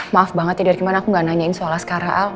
maaf banget ya dari mana aku nggak nanyain soal sekarang